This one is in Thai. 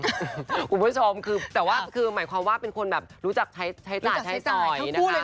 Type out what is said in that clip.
คุณผู้ชมแต่ว่าหมายความว่าเป็นคนแบบรู้จักใช้จ่าย